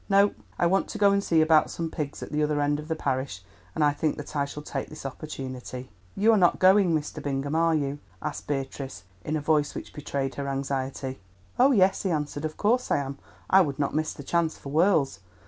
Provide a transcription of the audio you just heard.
No, I want to go and see about some pigs at the other end of the parish, and I think that I shall take this opportunity." "You are not going, Mr. Bingham, are you?" asked Beatrice in a voice which betrayed her anxiety. "Oh, yes," he answered, "of course I am. I would not miss the chance for worlds.